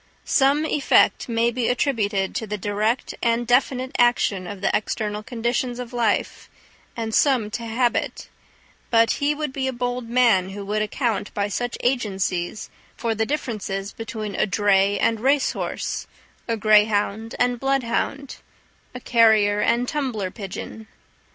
Some effect may be attributed to the direct and definite action of the external conditions of life, and some to habit; but he would be a bold man who would account by such agencies for the differences between a dray and race horse, a greyhound and bloodhound, a carrier and tumbler pigeon.